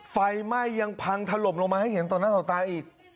ไฟไหม้ยังพังถล่มลงมาให้เห็นต่อหน้าต่อตาอีก